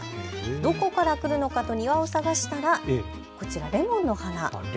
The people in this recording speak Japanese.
どこから来るのかと庭を探したらレモンの花。